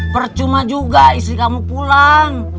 percuma juga istri kamu pulang